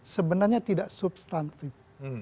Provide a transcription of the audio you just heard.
sebenarnya tidak substantif